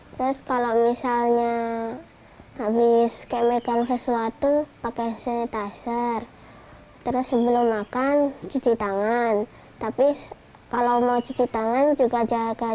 terus kalau misalnya habis kayak megang sesuatu pakai sanitizer terus sebelum makan cuci tangan tapi kalau mau cuci tangan juga jaga